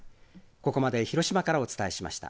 ここまで広島からお伝えしました。